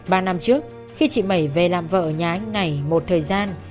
ba năm trước khi chị mẩy về làm vợ ở nhà anh này một thời gian